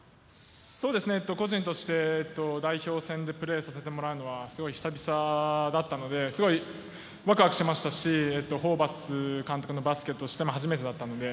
個人として代表戦でプレーさせてもらうのはすごい久々だったのですごいワクワクしましたしホーバス監督のバスケとしても初めてだったので。